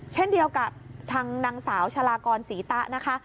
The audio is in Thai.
เช่นเดียวกับทางนางสาวชาลากรศรีตะนะคะ